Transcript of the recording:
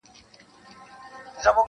• شپې تر سهاره یې سجدې کولې -